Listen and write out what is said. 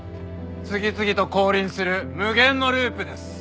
次々と降臨する無限のループです。